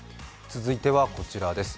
続いてはこちらです。